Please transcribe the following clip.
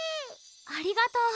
ありがとう。